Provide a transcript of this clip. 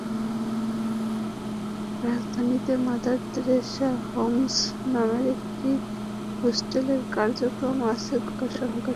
রাজধানীতে Mother Teresa Homes নামের একটি হোস্টেলের কার্যক্রম আছে গোটা ঢাকা শহরে।